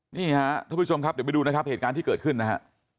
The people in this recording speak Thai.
นี่ฮะท่านผู้ชมครับเดี๋ยวไปดูนะครับเหตุการณ์ที่เกิดขึ้นนะฮะ